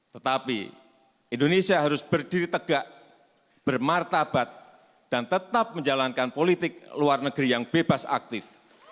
tetapi indonesia harus berdiri tegak bermartabat dan tetap menjalankan politik luar negeri yang bebas aktif